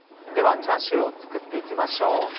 ではチャーシューを作って行きましょう。